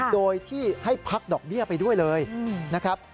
โดยที่ให้พักดอกเบี้ยไปด้วยเลยนะครับ